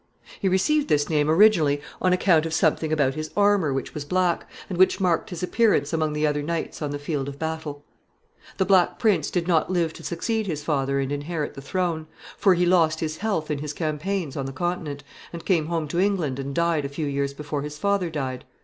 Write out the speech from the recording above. He received this name originally on account of something about his armor which was black, and which marked his appearance among the other knights on the field of battle. [Sidenote: Richard II.] The Black Prince did not live to succeed his father and inherit the throne, for he lost his health in his campaigns on the Continent, and came home to England, and died a few years before his father died.